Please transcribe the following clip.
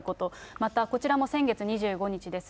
またこちらも先月２５日です。